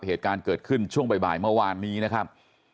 เหตุการณ์เกิดขึ้นช่วงบ่ายเมื่อวานนี้นะครับ